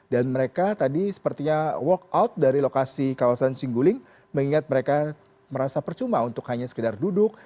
dan mereka tadi sepertinya walk out dari lokasi kawasan singguling mengingat mereka merasa percuma untuk hanya sekedar duduk